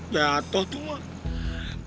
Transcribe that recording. jatoh tuh emak